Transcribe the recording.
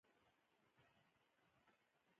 • خوشالي نه موندل کېږي، بلکې جوړه کېږي.